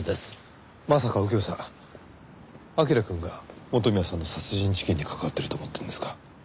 まさか右京さん彬くんが元宮さんの殺人事件に関わってると思ってるんですか？